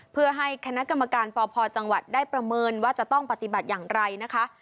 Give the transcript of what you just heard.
เพื่อให้คณะกรรมการปพจังหวัดได้ประเมินว่าจะต้องปฏิบัติอย่างไรนะคะ